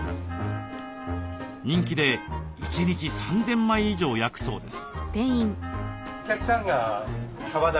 人気で一日３，０００枚以上焼くそうです。